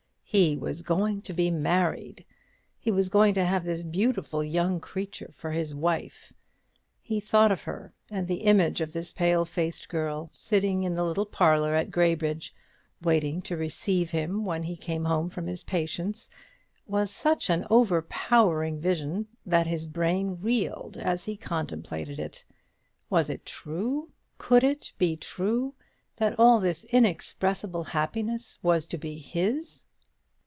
He was going to be married; he was going to have this beautiful young creature for his wife. He thought of her; and the image of this pale faced girl, sitting in the little parlour at Graybridge, waiting to receive him when he came home from his patients, was such an overpowering vision, that his brain reeled as he contemplated it. Was it true could it be true that all this inexpressible happiness was to be his?